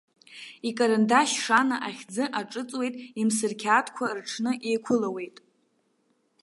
Икарандашь шана ахьӡы аҿыҵуеит, имсырқьаадқәа рҽны еиқәылауеит.